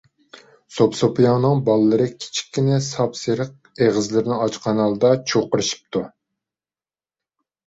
سوپىسوپىياڭنىڭ بالىلىرى كىچىككىنە ساپسېرىق ئېغىزلىرىنى ئاچقان ھالدا چۇرقىرىشىپتۇ.